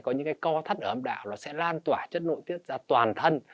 có những cái co thắt ở âm đạo nó sẽ lan tỏa chất nội tiết ra toàn thân